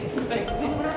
kamu diapa yang di gangguin